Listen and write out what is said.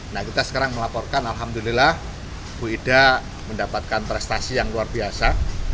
nah kita sekarang melaporkan alhamdulillah bu ida mendapatkan prestasi yang luar biasa